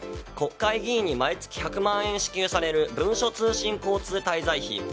国会議員に毎月１００万円支給される文書通信交通滞在費。